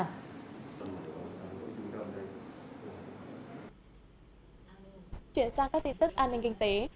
chuyển sang các tin tức an ninh kinh tế